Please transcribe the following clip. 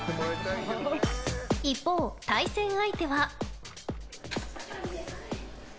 一方、対戦相手は。